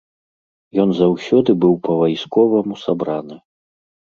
Ён заўсёды быў па-вайсковаму сабраны.